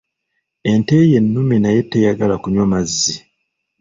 Ente ye nnume naye teyagala kunywa mazzi.